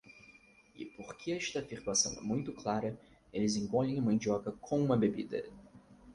E porque esta afirmação é muito clara, eles engolem a mandioca com uma bebida.